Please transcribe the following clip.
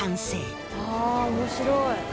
あ面白い。